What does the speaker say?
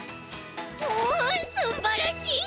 おすんばらしい！